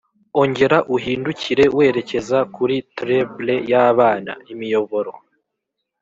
ongera uhindukire werekeza kuri treble y'abana, imiyoboro